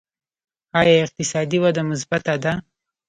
آیا اقتصادي وده مثبته ده؟